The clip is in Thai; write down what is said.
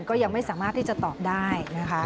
ก็ยังไม่สามารถที่จะตอบได้นะคะ